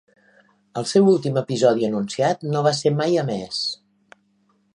El seu últim episodi anunciat no va ser mai emès.